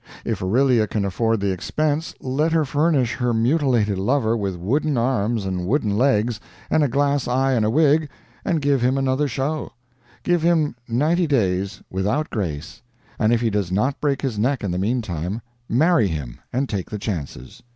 If Aurelia can afford the expense, let her furnish her mutilated lover with wooden arms and wooden legs, and a glass eye and a wig, and give him another show; give him ninety days, without grace, and if he does not break his neck in the mean time, marry him and take the chances.